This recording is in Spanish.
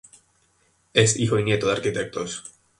Es hijo y nieto de arquitectos.